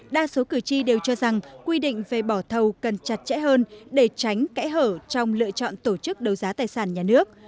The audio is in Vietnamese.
đa số cử tri đều cho rằng quy định về bỏ thầu cần chặt chẽ hơn để tránh kẽ hở trong lựa chọn tổ chức đấu giá tài sản nhà nước